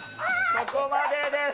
そこまでです。